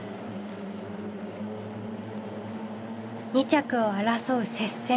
２着を争う接戦。